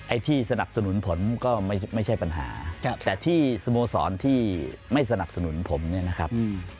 ที่สนับสนุนผมก็ไม่ใช่ปัญหาแต่ที่สโมสรที่ไม่สนับสนุนผมเนี่ยนะครับ